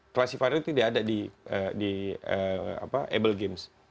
klasik itu tidak ada di able games